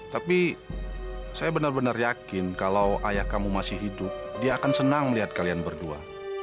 tapi saya benar benar yakin kalau ayah kamu masih hidup dia akan senang melihat kalian berdua